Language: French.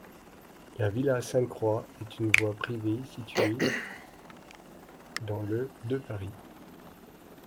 La villa Sainte-Croix est une voie privée située dans le de Paris.